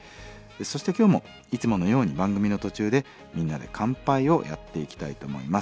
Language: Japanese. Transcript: そして今日もいつものように番組の途中でみんなで乾杯をやっていきたいと思います。